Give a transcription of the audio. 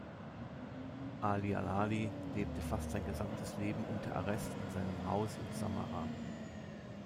ʿAlī al-Hādī lebte fast sein gesamtes Leben unter Arrest in seinem Haus in Samarra.